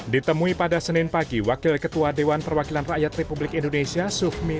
ditemui pada senin pagi wakil ketua dewan perwakilan rakyat republik indonesia sufmi